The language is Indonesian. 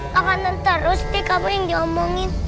makanan terus nih kamu yang diomongin